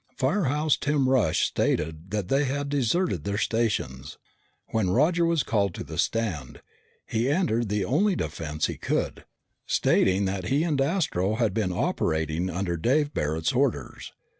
Firehouse Tim Rush stated that they had deserted their stations. When Roger was called to the stand, he entered the only defense he could, stating that he and Astro had been operating under Dave Barret's orders.